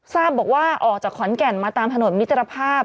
ทราบบอกว่าออกจากขอนแก่นมาตามถนนมิตรภาพ